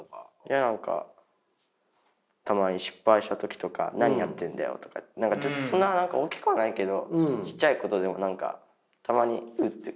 何かたまに失敗した時とか「何やってんだよ」とかそんな何か大きくはないけどちっちゃいことでも何かたまにウッて来ちゃう。